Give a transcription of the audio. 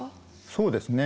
そうですね。